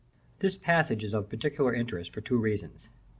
This passage is of peculiar interest, for two reasons.